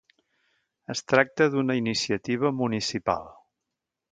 Es tracta d'una iniciativa municipal.